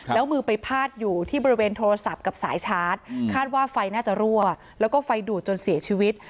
แล้วมือไปพาดอยู่ที่บริเวณโทรศัพท์กับสายชาร์จคาดว่าไฟน่าจะรั่วแล้วก็ไฟดูดจนเสียชีวิต